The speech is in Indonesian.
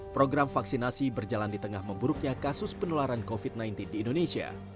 program vaksinasi berjalan di tengah memburuknya kasus penularan covid sembilan belas di indonesia